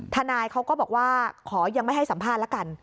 ทนายเขาก็บอกว่าขอยังไม่ให้สัมภาษณ์ละกัน